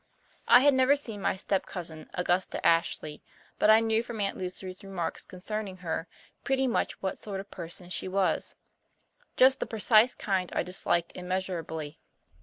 I had never seen my step cousin, Augusta Ashley, but I knew, from Aunt Lucy's remarks concerning her, pretty much what sort of person she was just the precise kind I disliked immeasurably.